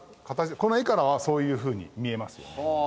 このいかだはそういうふうに見えますよね。